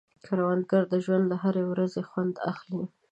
کروندګر د ژوند له هرې ورځې خوند اخلي